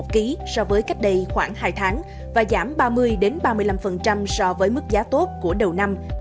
ký so với cách đây khoảng hai tháng và giảm ba mươi ba mươi năm so với mức giá tốt của đầu năm